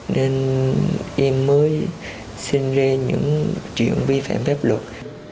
nên em mới xin lê những chuyện vi phạm phép luật